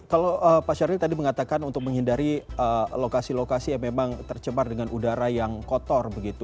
kalau pak syaril tadi mengatakan untuk menghindari lokasi lokasi yang memang tercemar dengan udara yang kotor begitu